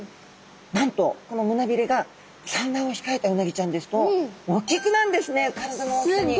なんとこの胸びれが産卵をひかえたうなぎちゃんですとおっきくなるんですね